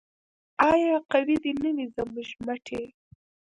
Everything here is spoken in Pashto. آیا قوي دې نه وي زموږ مټې؟